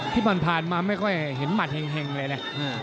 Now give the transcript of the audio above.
ที่ผ่านมาไม่ค่อยเห็นหมัดแห่งเลยนะ